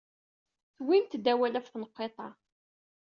Tuwyemt-d awal ɣef tenqiḍt-a.